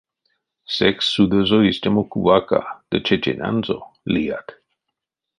Секс судозо истямо кувака ды чеченанзояк лият.